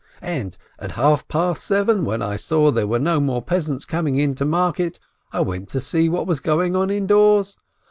And at half past seven, when I saw there were no more peasants coming in to market, I went to see what was going on indoors.